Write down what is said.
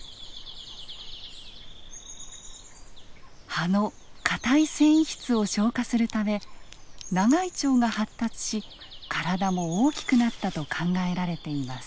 葉の硬い繊維質を消化するため長い腸が発達し体も大きくなったと考えられています。